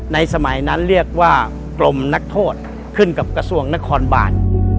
สมัยนั้นเรียกว่ากลมนักโทษขึ้นกับกระทรวงนครบาน